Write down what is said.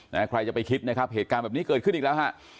ใครจะไปคิดนะครับเหตุการณ์แบบนี้เกิดขึ้นอีกแล้วฮะ